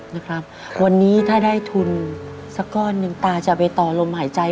นะครับวันนี้ถ้าได้ทุนสักก้อนหนึ่งตาจะไปต่อลมหายใจ